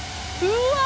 うわ！